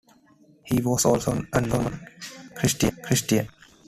He was also a known Christian.